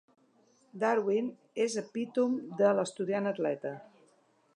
Darwin és epítom de l'estudiant-atleta.